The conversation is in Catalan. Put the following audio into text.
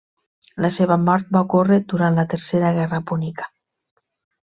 La seva mort va ocórrer durant la tercera guerra púnica.